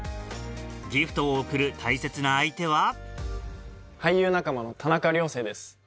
ギフトを贈る大切な相手は俳優仲間の田中涼星です。